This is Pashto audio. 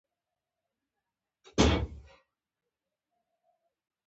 جانداد د نورو لپاره الهام دی.